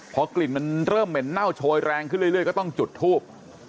พอกลิ่นมันเริ่มเหม็นเน่าโชยแรงขึ้นเรื่อยก็ต้องจุดทูบ